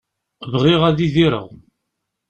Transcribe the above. Bɣiɣ ad idireɣ.